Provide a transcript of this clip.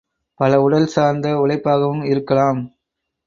பல உடல் சார்ந்த உழைப்பாகவும் இருக்கலாம்.